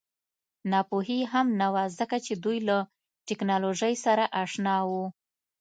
ناپوهي هم نه وه ځکه چې دوی له ټکنالوژۍ سره اشنا وو